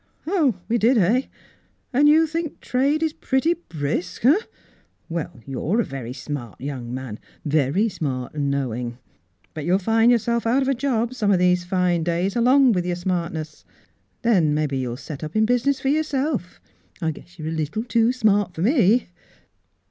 "Oh, we did — heh.? An' you think trade is pretty brisk — huh.? Well, you're a very smart young man — very smart an' knowin'. But you'll find your self out of a job some o' these fine days along with your smartness. Then mebbe you'll set up in business for ^^ourself. I guess you're a leetle too smart for me."